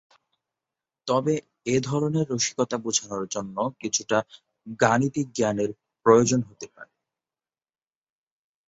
তবে এ ধরনের রসিকতা বোঝার জন্যে কিছুটা গাণিতিক জ্ঞানের প্রয়োজন হতে পারে।